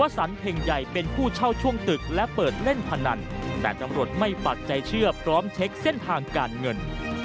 สันเพ็งใหญ่เป็นผู้เช่าช่วงตึกและเปิดเล่นพนันแต่ตำรวจไม่ปักใจเชื่อพร้อมเช็คเส้นทางการเงิน